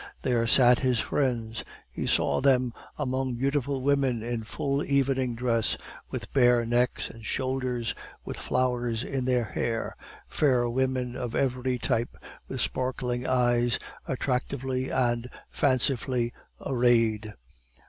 There sat his friends; he saw them among beautiful women in full evening dress, with bare necks and shoulders, with flowers in their hair; fair women of every type, with sparkling eyes, attractively and fancifully arrayed.